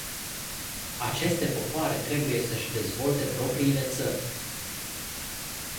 Aceste popoare trebuie să-și dezvolte propriile țări.